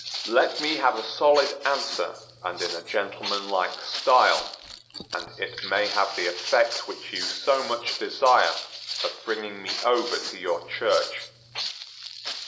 "Let me have a solid answer, and in a gentlemanlike style; and it may have the effect which you so much desire of bringing me over to your Church."